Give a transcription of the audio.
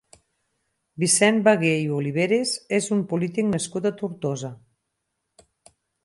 Vicent Beguer i Oliveres és un polític nascut a Tortosa.